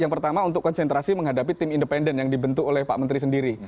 yang pertama untuk konsentrasi menghadapi tim independen yang dibentuk oleh pak menteri sendiri